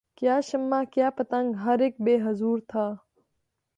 کیا شمع کیا پتنگ ہر اک بے حضور تھا